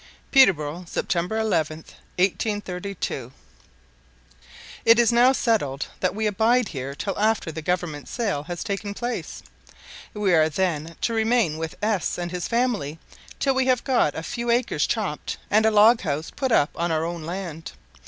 Peterborough, Sept. 11, 1832. IT is now settled that we abide here till after the government sale has taken place. We are, then, to remain with S and his family till we have got a few acres chopped, and a log house put up on our own land.